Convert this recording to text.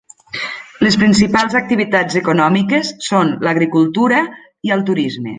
Les principals activitats econòmiques són l'agricultura i el turisme.